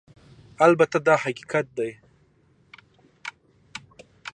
البته دا حقیقت دی